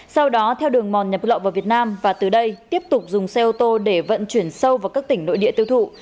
sau đó theo đường mòn nhập lậu vào việt nam và từ đây tiếp tục dùng xe ô tô để vận chuyển sâu vào các tỉnh nội địa tiêu thụ